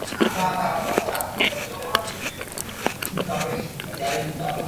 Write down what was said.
গতকাল সোমবার রাতে রাজধানীর পল্লবী ডিওএইচএস এলাকা থেকে তাঁদের গ্রেপ্তার করা হয়।